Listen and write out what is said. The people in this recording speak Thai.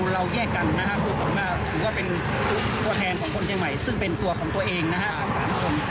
เราแยกกันนะครับผมว่าเป็นตัวแทนของคนเชียงใหม่ซึ่งเป็นตัวของตัวเองนะครับสามคน